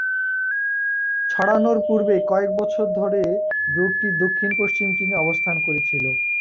ছড়ানোর পূর্বে কয়েক বছর ধরে রোগটি দক্ষিণ-পশ্চিম চীনে অবস্থান করেছিল।